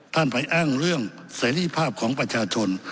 ท่านไปอ้างเรื่องเสรีภาพของประชาชน